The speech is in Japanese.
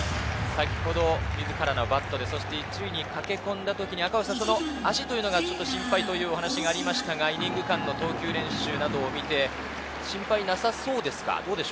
先ほど自らのバットで１塁に駆け込んだときに足というのは心配というお話がありましたが、イニング間の投球練習などを見て、心配なさそうですか？